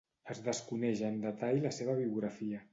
Es desconeix en detall la seva biografia.